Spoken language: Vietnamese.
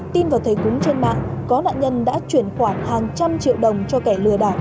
tin vào thầy cúng trên mạng có nạn nhân đã chuyển khoản hàng trăm triệu đồng cho kẻ lừa đảo